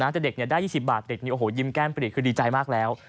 แต่เด็กได้๒๐บาทเด็กนี้โอ้โหยิ้มแก้มปรีกคือดีใจมากแล้ว